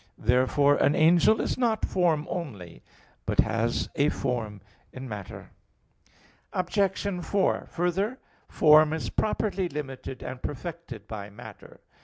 Therefore an angel is not form only, but has a form in matter. Obj. 4: Further, form is properly limited and perfected by matter.